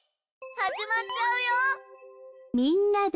始まっちゃうよ！